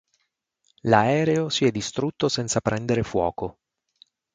L'aereo si è distrutto senza prendere fuoco.